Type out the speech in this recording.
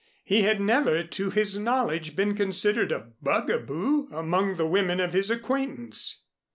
He had never, to his knowledge, been considered a bugaboo among the women of his acquaintance.